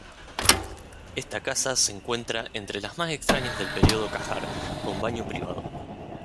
Esta casa se encuentra entre las más extrañas del período Qajar con baño privado.